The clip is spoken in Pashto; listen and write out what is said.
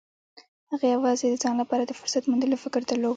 هغه يوازې د ځان لپاره د فرصت موندلو فکر درلود.